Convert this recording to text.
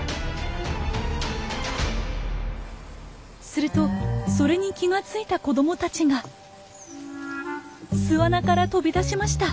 するとそれに気が付いた子供たちが巣穴から飛び出しました。